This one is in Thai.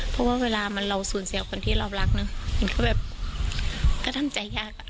เพราะว่าเวลามันเราสูญเสี่ยวคนที่เรารักก็ทำใจยาก